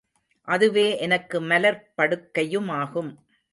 அதுவே எனக்கு மலர்ப் படுக்கையுமாகும்.